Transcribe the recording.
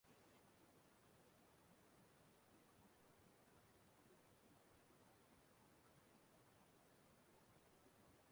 ma kpọkuo ha ka ha jisie ike n'ime nke ahụ